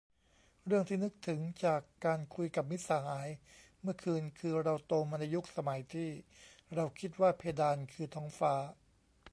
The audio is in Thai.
เรื่องที่นึกถึงจากการคุยกับมิตรสหายเมื่อคืนคือ เราโตมาในยุคสมัยที่เราคิดว่าเพดานคือท้องฟ้า